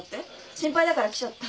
心配だから来ちゃった。